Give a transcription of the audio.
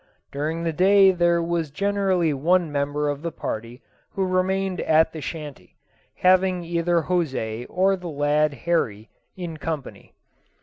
During the day there was generally one member of the party who remained at the shanty, having either José or the lad Horry in company.